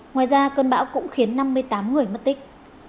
ngoài ra cơn bão cũng khiến năm mươi tám người mất tích